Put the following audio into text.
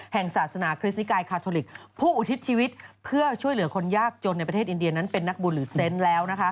แห่งศาสนาคริสนิกายคาทอลิกผู้อุทิศชีวิตเพื่อช่วยเหลือคนยากจนในประเทศอินเดียนั้นเป็นนักบุญหรือเซนต์แล้ว